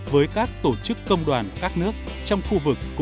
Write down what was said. với các tổ chức công đoàn các nước